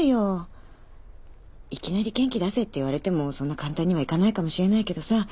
いきなり元気出せって言われてもそんな簡単にはいかないかもしれないけどさ。